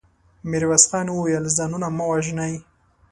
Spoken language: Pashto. ميرويس خان وويل: ځانونه مه وژنئ.